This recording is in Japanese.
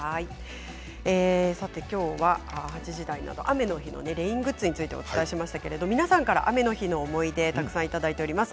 きょうは８時台など雨の日のレイングッズについてお伝えしましたけれども皆さんから雨の日の思い出たくさんいただいています。